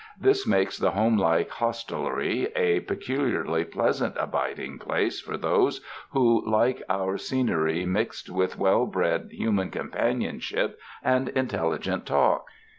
This makes the homelike hostelry a peculiarly pleasant abiding place for those who like their scenery mixed with well bred human companionship and intelligent talk.